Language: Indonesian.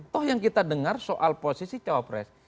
toh yang kita dengar soal posisi cawapres